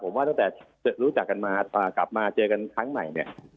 ผมว่าตั้งแต่รู้จักกันมากลับมาเจอกันครั้งใหม่เนี่ย